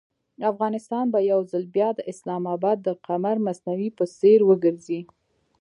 افغانستان به یو ځل بیا د اسلام اباد د قمر مصنوعي په څېر وګرځي.